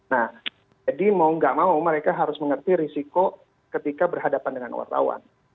nah jadi mau nggak mau mereka harus mengerti risiko ketika berhadapan dengan wartawan